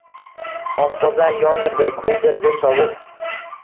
Oftoblar yondirdi, kuydirdi sovuq.